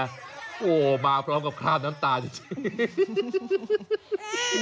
โอ้โหมาพร้อมกับคราบน้ำตาจริง